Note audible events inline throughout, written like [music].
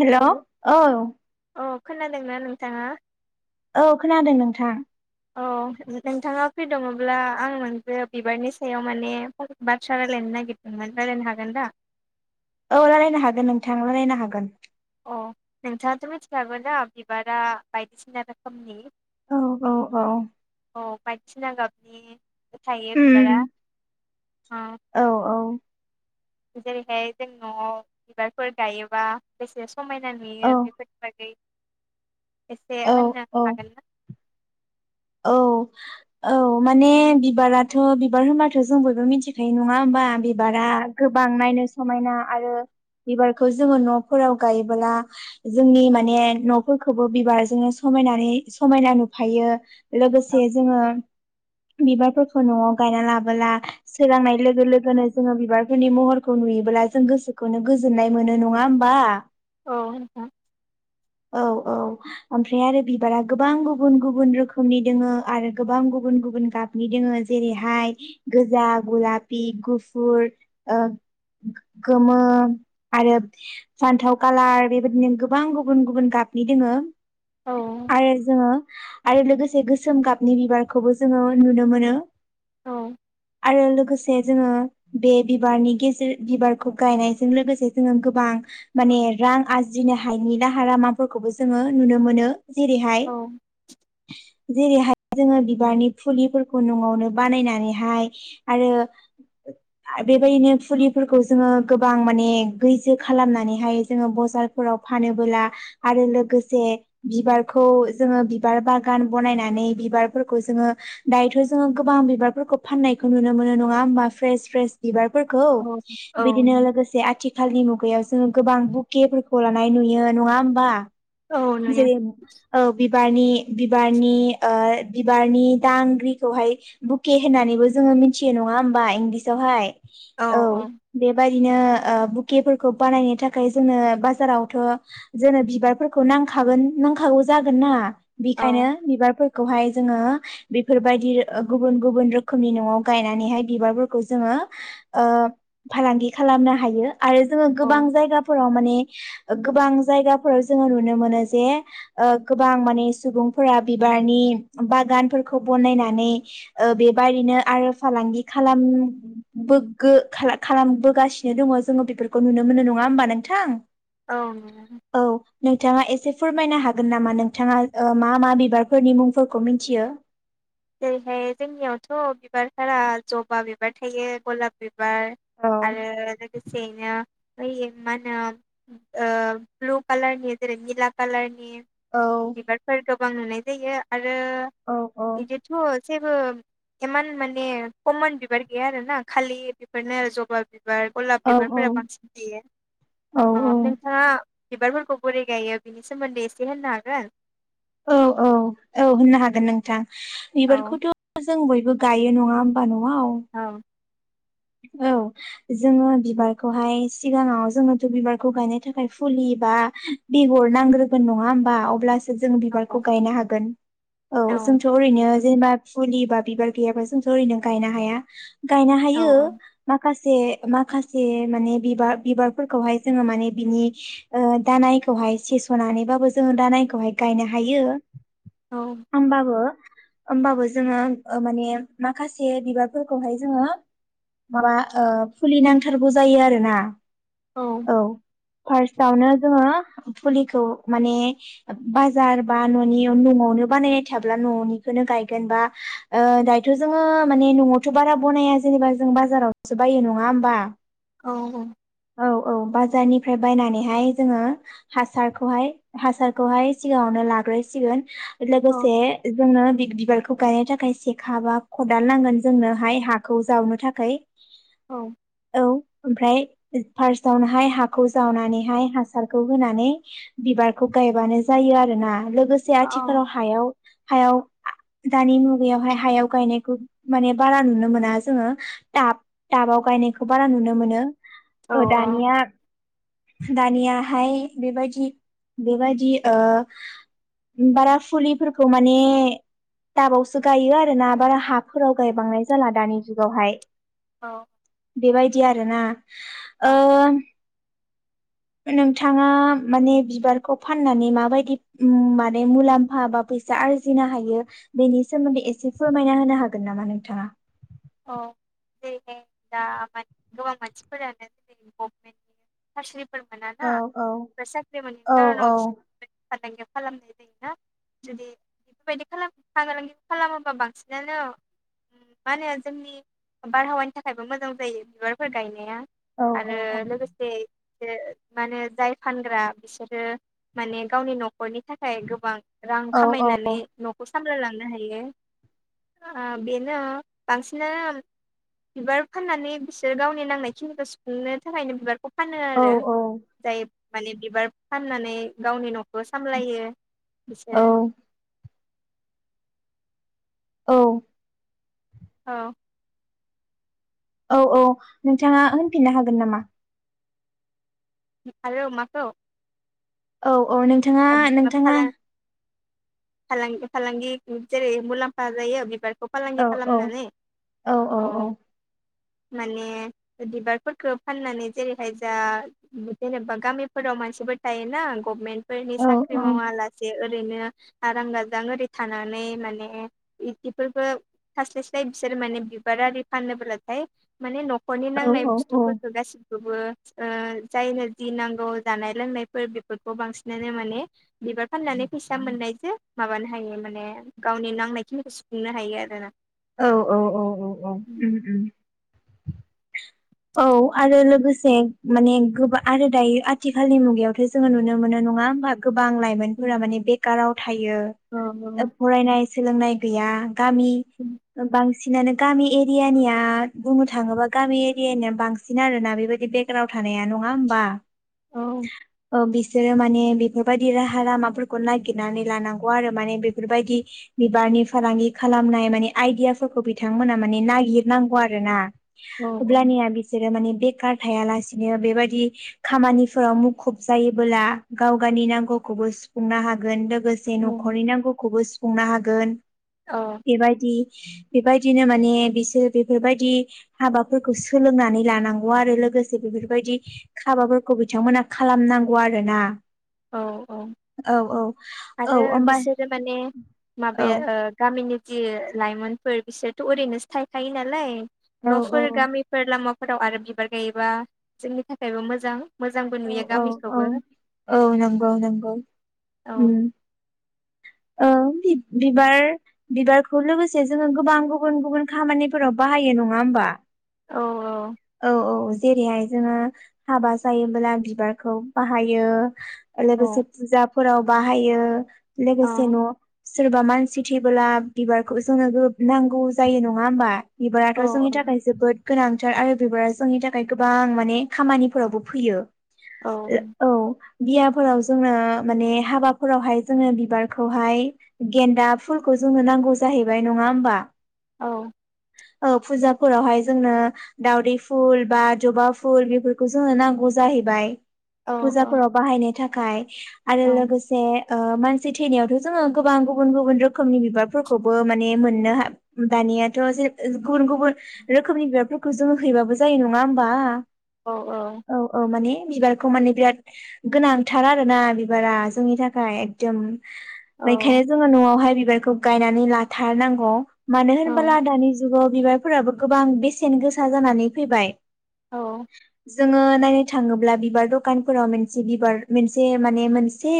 हेल' औ अह खोनादोंना नोंथाङा औ खोनादों नोंथां अह नोंथाङा फ्रि दङब्ला आं नोंजो बिबारनि सायाव माने फं बाथ्रा रायलायनो नागिदोंमोन रायलायनो हागोन दा औ रायलायनो हागोन नोंथां रायलायनो हागोन अह नोंथाङाथ' मिथिखागोन दा बिबारा बायदिसिना रोखोमनि औ औ औ सिना गाबनि थायो उम बिबारा ओ औ औ जेरैहाय जों न'आव बिबारफोर गायोबा बेसे समायना औ नुयो बेफोरनि बागै एसे औ होननो औ हागोनना औ औ माने बिबाराथ' बिबार होनबाथ' जों बयबो मिथिखायो नङा ओम बा बिबारा गोबां नायनो समायना आरो बिबारखौ जोङो न'फोराव गायोबोला जोंनि माने न'फोरखौबो बिबारजोंनो सम समायनानै समायना नुफायो औ लोगोसे जोङो बिबारफोरखौ न'आव गायना लाबोला सोरोलांनाय लोगो लोगोनो जोङो बिबारफोरनि महरखौ नु योब्ला जों गोसोखौनो गोजोननाय मोनो नङा होमबा औ औ औ ओमफ्राय आरो बिबारा गोबां गुबुन गुबुन रोखोम रोखोमनि दोङो आरो गोबां गुबुन गुबुन गाबनि दोङो जेरैहाय गोजा गलाफि गुफुर ओ गोमो आरो सान्थाव कालार बेबायदिनो गोबां गुबुन गुबुन गाब नि दोङो औ आरो जोङो आरो लोगोसे से गोसोम गाबनि बिबारखौबो जोङो नुनो मोनो औ आरो लोगोसे से जोङो बे बिबारनि गेजेर बिबारखौ गायनायजों लोगोसे जों गोबां माने रां आरजिनो हायनि राहारालामाफोरखौबो जोङो नुनो मोनो जेरैहाय जेरैहाय जोङो बिबारनि फुलिफोरखौ न'आवनो बानायनानैहाय आरो बेबायदिनो फुलिफोरखौ जोङो गोबां माने गैजो खालामनानैहाय जोङो बजारफोराव फानोबोला आरो लोगोसे बिबारखौ जोङो बिबार बा गान बनायनानै बिबारफोरखौ जोङो दायोथ' जोङो गोबां बिबारफोरखौ फाननायखौ नुनो मोनो नङा होमबा फ्रेस फ्रेस बिबार फोरखौ औ बिदिनो लोगोसे आथिखालनि मुगायाव जोङो गोबां बुेखेफोरखौ ला नाय नुयो नङा होमबा औ नुयो जेरै औ बिबारनि बिबारनि ओ बिबारनि दांग्रिखौहाय बुके होनानै बो जोङो मिथियो नङा होमबा इंलिसआवहाय औ बेबाय बिदिनो बुकेफोरखौ बानायनो थाखाय जोंनो बाजारावथ' जोनो बिबारफोरखौ खौ नांखागोन नांखागौ जागोन ना औ बिखायनो बिबारफोर खौहाय जोङो बेफोरबायदि गुबुन गुबुन रोखोमनि न'आव गायनानैहाय बिबारफोरखौ जोङो ओ फालांगि खालामनो हायो आरो जोङो औ गोबां जायगाफोराव माने गोबां जायगाफोराव जोङो नुनो मोनो जे ओ गोबां माने सुबुंफोरा बिबारनि बागानफोरखौ बनायनानै ओ बेबायदिनो आरो फालांगि खालाम बो गो [unintelligible] खालामबोगासिनो दङ जोङो बेफोरखौ नुनो मोनो नङा होमबा नोंथां औ औ नोंथाङा एसे फोरमायनो हागोन नामा नोंथाङा ओ मा मा बिबारफोरनि मुंफोरखौ मिथियो जेरैहाय जोंनियावथ' बिबारफोरा जबा बिबार थायो गलाब बिबार औ बिबार आरो लोगोसेयैनो बै माहोनो ओ ब्लु कालारनि जेरै निला कालारनि औ बिबारफोर गोबां नुनाय जायो आरो औ औ बिदिथ' जे बो इमान माने कमन बिबार गैया आरोना खालि बेफोरनो आरो जबा बिबार बिबार गलाब औ बिबारफोरा बांसिन थायो अ औ नोंथा बिबारफोरखौ बोरै गायो बिनि सोमोन्दै एसे होननो हागोन औ औ औ होननो हागोन नोंथां औ बिबारखौथ' जों बयबो गायो नङा होमबा नआव औ औ जोङो बिबारखौहाय सिगाङाव जोङोथ' बिबारखौ गायनो थाखाय फुलि बा बेगर नांग्रोगोन नङा होनबा अब्लासो जों बिबारखौ गायनो हागोन औ जोंथ' ओरैनो जेनेबा फुलि बा बिबार गैयाबा जोंथ' ओरैनो गायनो हाया गायनो औ हायो माखासे माखासे माने बिबार बिबारफोरखौहाय जोङो माने बिनि ओ दानाइखौहाय सेस'नानैबाबो जोङो दानाइखौहाय गायनो हायो। औ होमबाबो। होमबाबो औ जोङो माने माखासे बिबारफोरखौहाय जोङो माबा फुलि नांथारगौ जायो आरोना औ। फार्स्टावनो जोङो फुलिखौ माने बाजार बा न'नि नआवनो बानायनाय थाब्ला नआवनिखौनो गायगोन बा दायोथ' जोङो नआवथ' बारा बना या जेनेबा जों बाजारावसो बायो नङा होमबा औ औ। औ औ बाजारनिफ्राय बायनानैहाय जोङो हासारखौहाय हासारखौहाय सिगाङावनो लाग्रो सिगोन औ लोगोसे जोङो दि बिबारखौ गायनो थाखाय सेखा बा खदाल नांगोन जोंनोहाय हाखौ जावनो थाखाय। औ ओमफ्राय फार्स्टवनोहाय हाखौ जावनानैहाय हासारखौ होनानै बिबारखौ गायबानो जायो। आरो ना। लोगोसे आथिखालाव औ हायाव हायाव दानि मुगायावहाय हायाव गायनायखौ माने बारा नुनो मोना जोङो टाब टाबाव गायनायखौ बारा नुनो मोनो। अ दानिया दानियाहाय बेबायदि बेबायदि ओ बारा फुलिफोरखौ माने टाबावसो गायो आरोना बारा हाफोराव गायबांनाय जाला दानि जुगावहाय। औ। बेबायदि आरोना ओ औ नोंथाङा माने बिबारखौ फाननानै माबायदि माने मुलाम्फा बा फै सा आरजिनो हायो बेनि सोमोन्दै एसे फोरमायना होनो हागोन नामा नोंथाङा? अ दे। [inaudible] [unintelligible] औ औ औ फालांगि खालामनोबो हायोना जुदि बेफोरबायदि खालामोबा फालांगि खालामोबा बांसिनानो माने जोंनि बारहावानि थाखायबो मोजां जायो बिबारफोर गायनाया औ आरो लोगोसे माने जाय फानग्रा बिसोरो माने गावनि न'खरनि थाखाय गोबां रां औ औ खामायनानै न'खौ सामलायलांनो हायो बेनो बांसिननो बिबार फाननानै बिसोरो गावनि नांनाय खिनिखौ सुफुंनो थाखायनो बिबार खौ फानो औ आरो औ जाय माने बिबार फाननानै गावनि न'खौ सामलायो बिसोरो। औ। औ। औ औ नोंथाङा होनफिननो हागोन नामा। आरो माखौ। औ -औ नोंथाङा नोंथाङा। फालां फालांगि फालांगि जेरै मुलामफा जायो बिबार। बे औ फालांगि औ खालामनानै औ। माने बिबारफोरखौ फाननानै जेरैहाय जा जेनेबा गामिफोराव मानसि। थायोना गभमेन्टफोरनि औ साख्रि औ मावालासे ओ। ओरैनो आरां गाजां ओरै थानानै माने इदिफोरबो थास्लायस्लाय बिसोर। माने बिबारारि फानोब्लाथाय माने न'खरनि नांनाय औ औ बुस्थुफोरखौ गासि। बो ओ जायनो जि नांगौ जानाय लोंनायफोर बेफोरखौ बांसिन। बिनो माने बिबार फाननानै फैसा मोननायजों माबानो हायो माने गावनि नांनाय खिनिखौ सु। खुंनो हायो आरो ना औ -औ -औ -औ- औ उम-उम। औ आरो लोगोसे माने गोबां आरो दायो आथिखालनि मुगायावथ' जोङो नुनो मोनो। नङा होनबा। गोबां लाइमोनफोरा माने बेखाराव थायो औ फरायनाय सोलोंनाय गैया। गामि बांसिनानो गामि एरियानिया बुंनो थाङोबा गामि। यानि बांसिन आरोना बेबायदि बेक्राङाव थानाया नङा होमबा। औ। ओ बिसोरो माने बेफोरबायदि राहा लामाफोरखौ नागिरनानै लानांगौ आरो माने बेफोरबायदि। बिबारनि फालांगि खालामनाय माने आइदियाफोरखौ बिथांमोना माने नागिरनांगौ आरो ना। औ अब्लानिया बिसोरो माने। बेखार थायालासिनो बेबायदि खामानिफोराव मुखुब जायोबोला गाव गावनि नांगौ। खौबो सुफुंनो हागोन। लोगोसे औ न'खरनि नांगौखौबो सुफुंनो हागोन औ बेबायदि। बेबायदिनो माने बिसोर बेफोरबायदि हाबा। फोरफोरखौ सोलोंनानै लानांगौ आरो लोगोसे बेफोरबायदि हाबाफोरखौ बिथांमोना खालामनांगौ। रोना औ औ औ- औ आरो -औ ओमबाय। बिसोरो माने माबाया ओ गामिनि जि लाइमोनफोर बिसोरथ' ओरैनोसो थायखायो नालाय। औ न'फोर गामिफोर लामाफोराव आरो बिबार गायोबा जोंनि थाखायबो मोजां। मोजांबो नुयो औ औ औ गामिखौबो। औ उम नंगौ नंगौ औ उम। [unintelligible] बिबार बिबारखौ लोगोसे जोङो गोबां गुबुन- गुबुन खामानिफोराव बाहायो नङा। बा औ औ -औ जेरैहाय जोङो हाबा जायो। ब्ला बिबारखौ बाहायो औ लोगोसे फुजाफोराव बाहायो। लोगोसे न'। सोरबा मानसि थैबोला बिबारखौ जोंनो नांगौ जायो नङा होमबा। औ बिबाराथ' जोंनि थाखाय जोबोद। गोनांथार आरो बिबारा जोंनि थाखाय गोबां माने खामानिफोरावबो फैयो। औ औ। बियाफोराव जोङो माने हाबाफोरावहाय जोङो बिबारखौहाय गेन्दा फुलखौ। जोंनो नांगौ जाहैबाय नङा होमबा। औ। ओ फुजाफोरावहाय जोंनो दावदै फुल बा जबा फुल बेफोरखौ जोंनो नांगौ। जाहैबाय औ फुजाफोराव बाहायनो थाखाय आरो लोगोसे। ओ मानसि थैनायावथ' जोङो गोबां गुबुन - गुबुन रोखोमनि बिबारफोरखौबो माने मोननो दानि। निथ' ज गुबुन - गुबुन रोखोमनि बिबारफोरखौ जोङो हैबाबो जायो नङा होमबा। औ-औ। औ औ माने बिबारखौ माने बिराद गोनांथार आरो ना बिबारा जोंनि थाखाय एकदम। बेखायनो जोङो न'आवहाय बिबारखौ गायनानै लाथारनांगौ। मानो होनबोला दानि जुगाव बिबारफोराबो गोबां बेसेन गोसा जानानै फैबाय। औ जोंङो नायनो थाङोब्ला बिबार दखानफ्राव मोनसे बिबार मोनसे माने मोनसे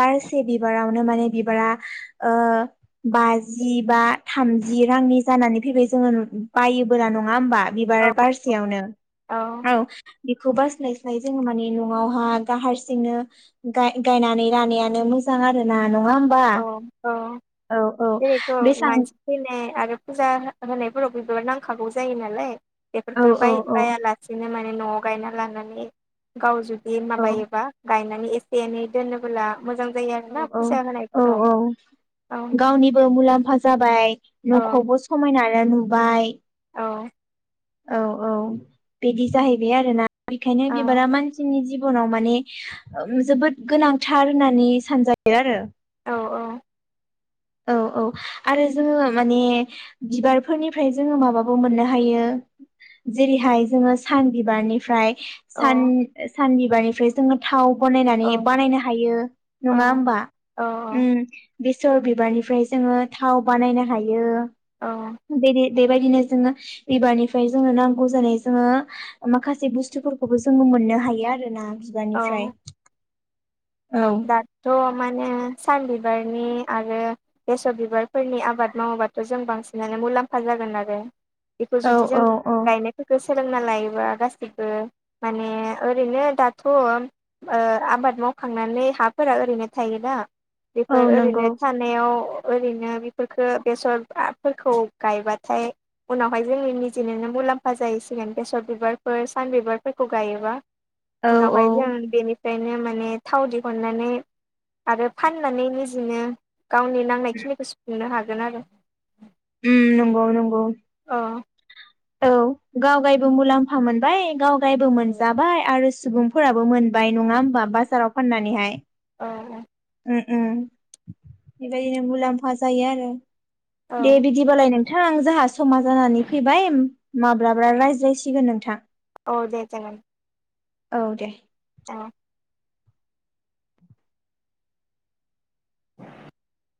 बारसे बिबार रावनो माने बिबारा ओ बाजि बा थामजि रांनि जानानै फैबाय जोङो बायोबोला नङा होमबा बिबार बारसेयावनो। औ बे खौ बास्लायस्लाय जोङो माने न'आवहा गाव हारसिंनो गाय-गायनानै लानायानो मोजां आरो ना। औ औ औ जेरैथ' बेसां मानसि फैनाय आरो फुजा हो होनायफोरावबो बेफोरखौ नांखागौ जायो नालाय औ बेफोरफोरखौ औ बाय औ बायालासेनो मा मे न'आव गायना लानानै गाव जुदि औ माबायोबा गायनानै एसे एनै दोनोबोला मोजां जायो औ आरोना फैसा होनाय औ औ गावनिबो मुलाम्फा जाबाय औ न'खौबो समाय ना नुबाय औ औ औ बिदि जाहैबाय आरोना बेखायनो औ बिबारा मानसिनि जि जिबनाव माने जोबोद गोनांथार होननानै सानजायो आरो औ औ औ औ आरो जोङो माने बिबारफोरनिफ्राय जोङो माबाबो मोननो हायो जेरैहाय जोङो सान बिबारनिफ्राय औ सान बिबारनिफ्राय जोङो थाव बनायनानै औ बानायनो हायो नङा औ होनबा औ ओम बेसर बिबारनिफ्राय जोङो थाव बानायनो हायो। बेबायदिनो जोङो बिबारनिफ्राय जोंनो नांगौ जानाय जोङो माखासे बुस्थुफोरखौबो जोंङो मोननो हायो आरोना औ औ बिबारनिफ्राय। औ दाथ' माने सान बिबारनि आरो बेसर बिबारफोरनि आबाद मावोबाथ' जों बांसिनानो मुलाम्फा जा जागोन आरो बेखौ औ जुदि जों औ औ गायनायफोरखौ सोलोंना लायोबा गासिबो माने ओरैनो दाथ' ओ आबाद मावखांनानै हाफोरा ओरैनो थायोदा औ बेफोर नंगौ ओरैनो थानायाव ओरैनो बेफोरफोरखो बेसरफोरखौ गायबाथाय उनावहाय जोंनि निजिनोनो मुलाम्फा जाहैसिगोन बेसर बिबारफोर सान बिबारफोरखौ गायोबा औ औ उनावहाय जों बेनिफ्रायनो माने थाव दि हुननानै आरो फाननानै निजिनो गावनि नांनाय खिनिखौ सुफुंनो हा जोन आरो उम नंगौ नंगौ अ औ गावगायबो मुलाम्फा मोनबाय गावगायबो मोनजाबाय आरो सुबुंफोराबो मोन बाय नङा होनबा बाजाराव फाननानैहाय औ ओम मोनजायो मुलाम्फा जायो आरो औ दे बिदिबालाय नोंथां जोंहा समा जानानै फैबाय माब्लाबा रायज्लायसिगोन नोंथां। औ दे जागोन औ दे औ [inaudible]